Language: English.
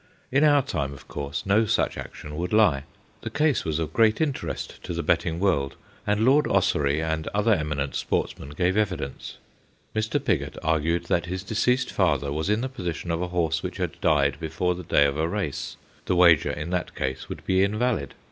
In our time, of course, no such action would lie. The case was of great interest to the betting world, and Lord Ossory and other eminent sportsmen gave evidence. Mr. Pigot argued that his deceased father was in the position of a horse which had died before the day of a race : the wager in that case would be invalid.